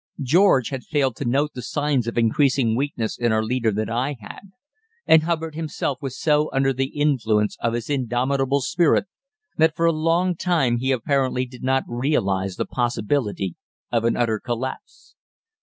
George had failed to note the signs of increasing weakness in our leader that I had, and Hubbard himself was so under the influence of his indomitable spirit that for a long time he apparently did not realise the possibility of an utter collapse.